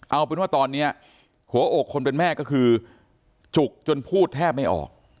เอาเป็นว่าตอนนี้หัวอกคนเป็นแม่ก็คือจุกจนพูดแทบไม่ออก